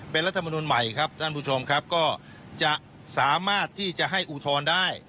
เป็นรัฐมนุนใหม่ครับท่านผู้ชมครับก็จะสามารถที่จะให้อุทธรณ์ได้